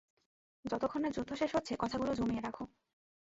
যতক্ষণ না যুদ্ধ শেষ হচ্ছে কথাগুলো জমিয়ে রাখ।